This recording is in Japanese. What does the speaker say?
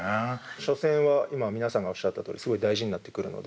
初戦は今皆さんがおっしゃったとおりすごい大事になってくるので。